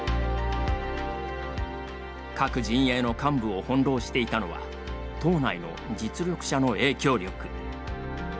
各陣営の幹部を翻弄していたのは党内の実力者の影響力。